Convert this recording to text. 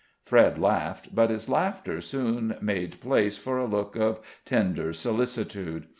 Fred laughed, but his laughter soon made place for a look of tender solicitude.